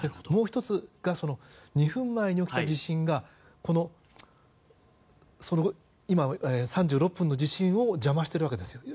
もう１つが２分前に起きた地震が今、３６分の地震を邪魔しているわけです。